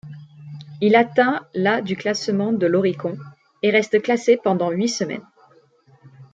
Il atteint la du classement de l'Oricon et reste classé pendant huit semaines.